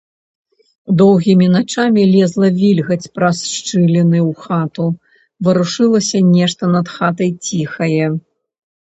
Доўгімі начамі лезла вільгаць праз шчыліны ў хату, варушылася нешта над хатай ціхае.